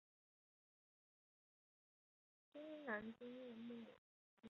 滇南尖叶木为茜草科尖叶木属下的一个种。